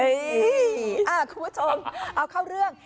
คุณผู้ชมเอาเข้าเรื่อง